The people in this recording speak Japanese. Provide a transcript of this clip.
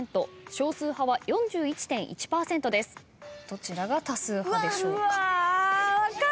どちらが多数派でしょうか？